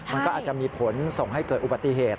มันก็อาจจะมีผลส่งให้เกิดอุบัติเหตุ